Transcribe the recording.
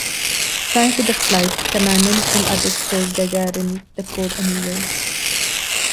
Prior to the flight, Kamanin and others told Gagarin the code anyway.